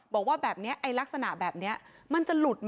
บอกว่าแบบนี้ไอ้ลักษณะแบบนี้มันจะหลุดไหม